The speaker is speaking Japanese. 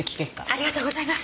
ありがとうございます。